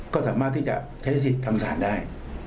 ก็สามารถที่จะใช้สิทธิ์ทำศาลได้